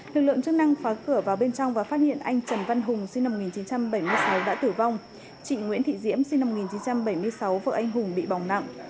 lực lượng chức năng phá cửa vào bên trong và phát hiện anh trần văn hùng sinh năm một nghìn chín trăm bảy mươi sáu đã tử vong chị nguyễn thị diễm sinh năm một nghìn chín trăm bảy mươi sáu vợ anh hùng bị bỏng nặng